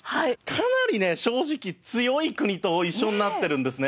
かなりね正直強い国と一緒になってるんですね。